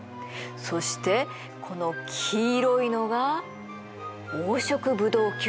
そしてこの黄色いのが黄色ブドウ球菌。